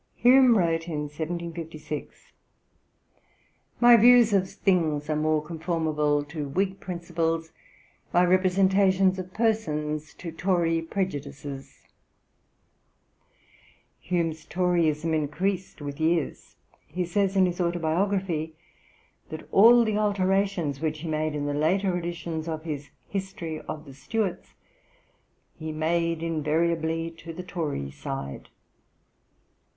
Letters, v. 444. Hume wrote in 1756: 'My views of things are more conformable to Whig principles; my representations of persons to Tory prejudices.' J.H. Burton's Hume, ii. 11. Hume's Toryism increased with years. He says in his Autobiography/ (p. xi.) that all the alterations which he made in the later editions of his History of the Stuarts, 'he made invariably to the Tory side.'